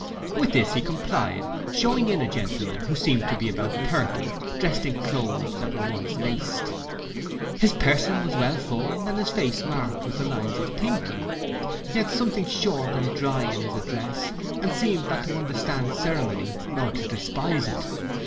With this he complied, shewing in a gentleman who seemed to be about thirty, drest in cloaths that once were laced. His person was well formed, and his face marked with the lines of thinking. He had something short and dry in his address, and seemed not to understand ceremony, or to despise it.